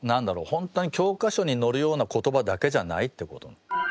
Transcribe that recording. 本当に教科書に載るような言葉だけじゃないっていうこと。